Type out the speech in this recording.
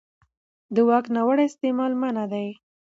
د واک ناوړه استعمال منع دی.